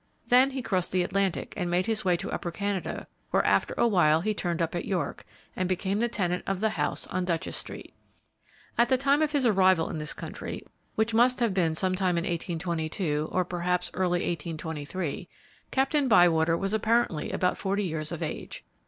Then he crossed the Atlantic and made his way to Upper Canada, where, after a while, he turned up at York, and became the tenant of the house on Duchess street. At the time of his arrival in this country, which must have been some time in 1822, or perhaps early in 1823, Captain Bywater was apparently about forty years of age.